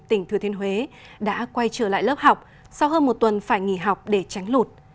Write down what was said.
tỉnh thừa thiên huế đã quay trở lại lớp học sau hơn một tuần phải nghỉ học để tránh lụt